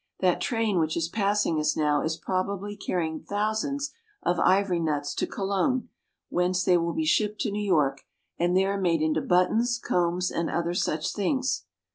That train which is passing us now is probably carrying thousands of ivory nuts to Colon, whence they will be shipped to New York, and there made into buttons, combs, and other such things.